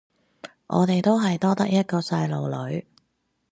我哋都係多得一個細路女